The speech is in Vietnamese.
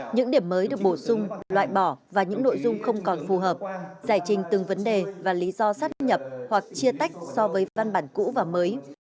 những điểm mới được bổ sung loại bỏ và những nội dung không còn phù hợp giải trình từng vấn đề và lý do sắp nhập hoặc chia tách so với văn bản cũ và mới